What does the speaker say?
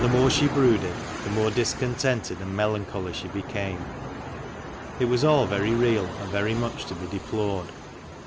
more she brooded, the more discontented and melancholy she became. It was all very real and very much to be deplored.